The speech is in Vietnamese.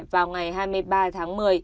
vào ngày hai mươi ba tháng một mươi một